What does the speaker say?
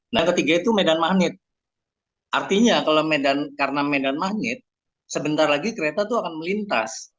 nah ketiga itu medan magnet artinya kalau medan karena medan magnet sebentar lagi kereta itu akan melintas